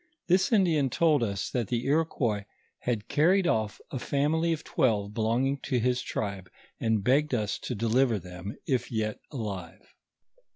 This Indian told us that the Iroquois had carried off a family of twelve belonging to his tribe, and begged us to deliver thom, if yet alive.